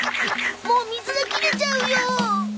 もう水が切れちゃうよ。